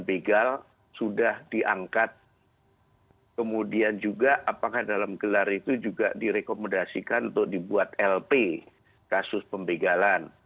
dan juga kemudian apakah dalam gelar itu juga direkomendasikan untuk dibuat lp kasus pembegalan